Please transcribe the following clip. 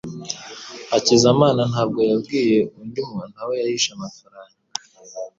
Hakizamana ntabwo yabwiye undi muntu aho yahishe amafaranga